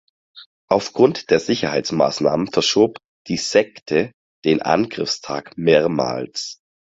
Aufgrund der Sicherheitsmaßnahmen verschob die Sekte den Angriffstag mehrmals.